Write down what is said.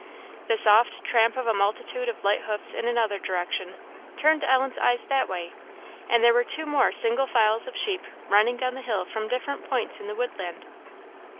The soft tramp of a multitude of light hoofs in another direction, turned Ellen's eyes that way, and there were two more single files of sheep running down the hill from different points in the woodland.